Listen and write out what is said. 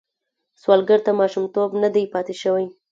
سوالګر ته ماشومتوب نه دی پاتې شوی